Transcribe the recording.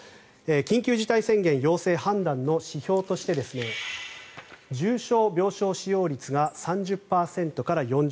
緊急事態宣言要請判断の指標として重症病床使用率が３０％から４０％。